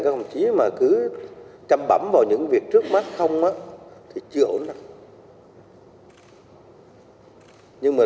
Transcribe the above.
các công chí cứ chăm bắm vào những việc trước mắt không thì chưa ổn đâu